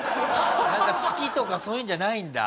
なんか月とかそういうのじゃないんだ。